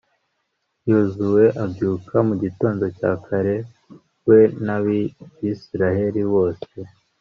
yozuwe abyuka mu gitondo cya kare, we n’abayisraheli bose.